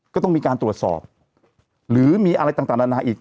ก็ต้องมีการตรวจสอบหรือมีอะไรต่างนานาอีก